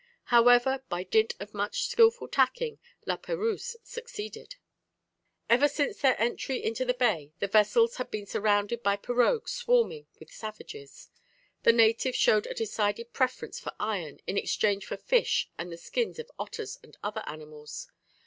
However, by dint of much skilful tacking, La Perouse succeeded. Ever since their entry into the bay the vessels had been surrounded by pirogues swarming with savages. The natives showed a decided preference for iron, in exchange for fish and the skins of otters and other animals.